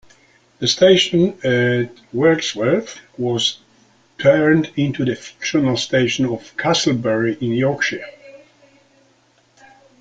The station at Wirksworth was turned into the fictional station of 'Castlebury' in Yorkshire.